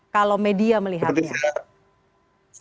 kalau media melihatnya